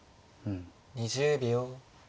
２０秒。